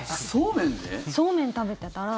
そうめん食べてたら。